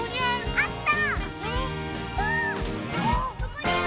あった！